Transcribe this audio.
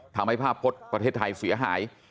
ทำให้ภาพพจน์ประเทศไทยเสียหาย